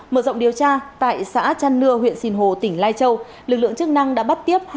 mở rộng điều tra tại xã trăn nưa huyện sìn hồ tỉnh lai châu lực lượng chức năng đã bắt tiếp